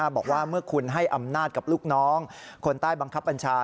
บอกว่าเมื่อคุณให้อำนาจกับลูกน้องคนใต้บังคับบัญชา